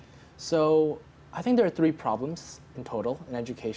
jadi saya pikir ada tiga masalah total dalam pendidikan